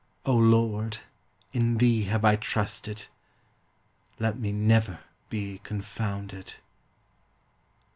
O Lord, in thee have I trusted; let me never be confounded.